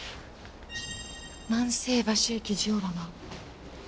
万世橋駅ジオラマ。